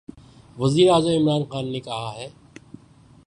وزیراعظم عمران خان نے کہا ہے